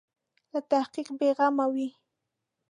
له تحقیق بې غمه وي.